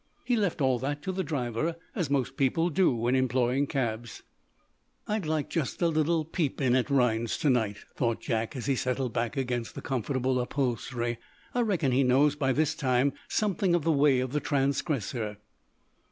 He left all that to the driver, as most people do when employing cabs. "I'd like just a little peep in at Rhinds tonight," thought Jack, as he settled back against the comfortable upholstery. "I reckon he knows, by this time, something of the way of the transgressor."